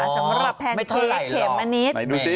สำหรับแพนเค้กเข็มมะนิด